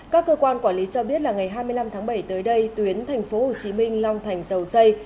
các cơ quan quản lý cho biết là ngày hai mươi năm tháng bảy tới đây tuyến tp hcm long thành dầu dây